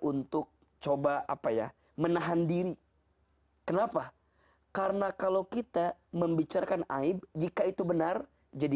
untuk coba apa ya menahan diri kenapa karena kalau kita membicarakan aib jika itu benar jadi